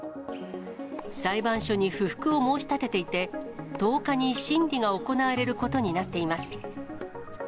裁判所に不服を申し立てていて、１０日に審理が行われることになっています。